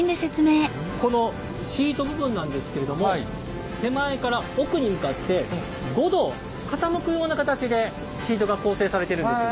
このシート部分なんですけれども手前から奥に向かって５度傾くような形でシートが構成されてるんです。